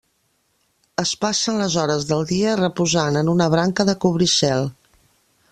Es passen les hores del dia reposant en una branca de cobricel.